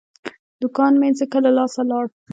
دوکان مې ځکه له لاسه لاړ.